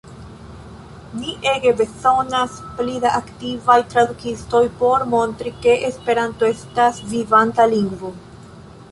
Ni ege bezonas pli da aktivaj tradukistoj por montri ke Esperanto estas vivanta lingvo.